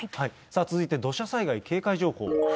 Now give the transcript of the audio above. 続いて、土砂災害警戒情報。